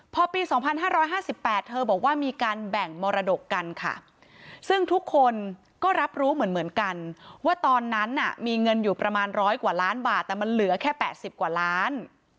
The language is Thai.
พอปีสองพันห้าร้อยห้าสิบแปดเธอบอกว่ามีการแบ่งมรดกกันค่ะซึ่งทุกคนก็รับรู้เหมือนเหมือนกันว่าตอนนั้นน่ะมีเงินอยู่ประมาณร้อยกว่าล้านบาทแต่มันเหลือแค่แปดสิบกว่าล้าน